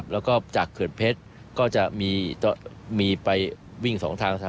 แล้วก็จากเขื่อนเพชรก็จะมีไปวิ่งสองทาง